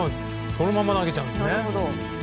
そのまま投げちゃうんですよ。